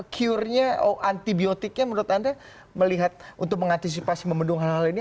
cure nya antibiotiknya menurut anda melihat untuk mengantisipasi membendung hal hal ini